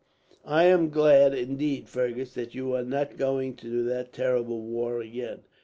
"I am glad, indeed, Fergus, that you are not going to that terrible war again."